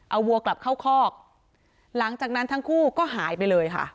เอาวัวกลับเข้าคอกหลังจากนั้นทั้งคู่ก็หายไปเลยค่ะ